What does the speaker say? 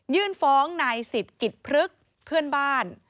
ยื่นฟ้องนายศิษย์กิตพลึกเพื่อนบ้าน